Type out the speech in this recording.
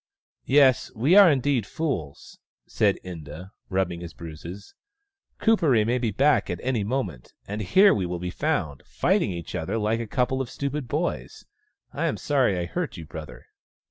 " Yes, we are indeed fools," said Inda, rubbing his bruises. " Kuperee may be back at any moment, and here we will be found, fighting each other like a couple of stupid boys. I am sorry I hurt you, brother."